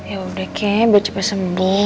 ya udah kek biar cepet sembuh